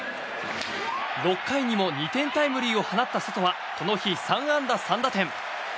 ６回にも２点タイムリーを放ったソトはこの日３安打３打点。